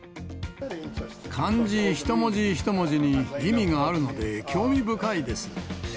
漢字一文字一文字に意味があるので、興味深いです。